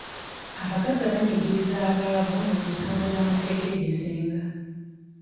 Abaggaga banyigiriza abaavu mu misango gy'amateeka egisinga.